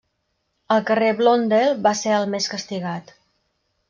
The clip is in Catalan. El carrer Blondel va ser el més castigat.